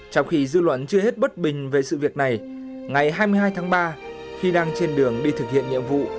trong khi dư luận chưa hết bất bình về sự việc này ngày hai mươi hai tháng ba khi đang trên đường đi thực hiện nhiệm vụ